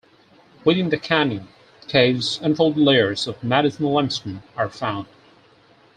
Within the canyon, caves and folded layers of Madison Limestone are found.